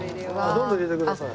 どんどん入れてください。